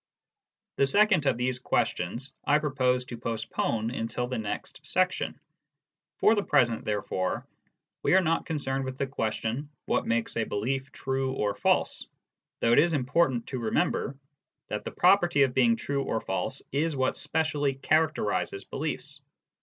The second of these questions I propose to postpone until the next section ; for the present, therefore, we are not concerned with the question what makes a belief true or false, though it is important to remember that the property of being true or false is what specially charac terises beliefs.